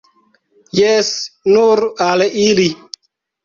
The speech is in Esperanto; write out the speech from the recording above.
Jes, nur al ili!